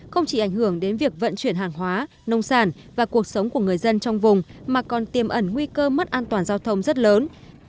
không chỉ ảnh hưởng đến việc vận chuyển hàng hóa nông sản và cuộc sống của người dân trong vùng mà còn tiềm ẩn nguy cơ mất an toàn giao thông rất lớn